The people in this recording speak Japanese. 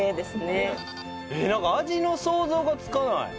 なんか味の想像がつかない。